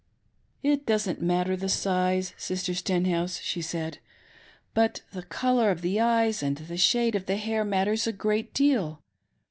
" It doesn't matter the size. Sister Stenhouse," she said, " but the color of the eyes and the shade of the hair matters a great deal.